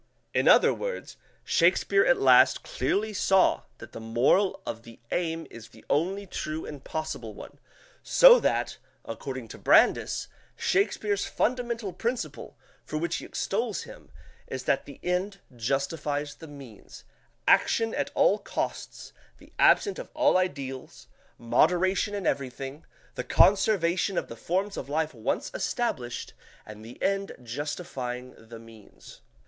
In other words, Shakespeare at last clearly saw that the moral of the aim is the only true and possible one; so that, according to Brandes, Shakespeare's fundamental principle, for which he extols him, is that the end justifies the means action at all costs, the absence of all ideals, moderation in everything, the conservation of the forms of life once established, and the end justifying the means.